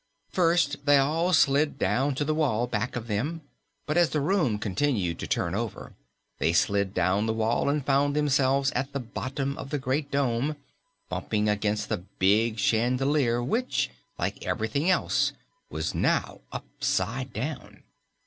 First they all slid down to the wall back of them, but as the room continued to turn over, they next slid down the wall and found themselves at the bottom of the great dome, bumping against the big chandelier which, like everything else, was now upside down.